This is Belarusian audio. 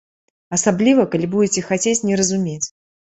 Асабліва, калі будзе хацець не разумець.